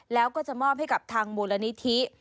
แล้วก็จะมอบให้กับทางมูลนิธิ